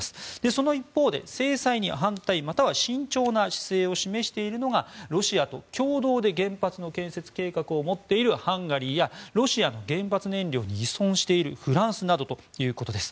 その一方、制裁に反対または慎重な姿勢を示しているのがロシアと共同で原発の建設計画を持っているハンガリーやロシアの原発燃料に依存しているフランスなどということです。